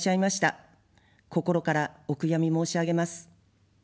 心からお悔やみ申し上げます。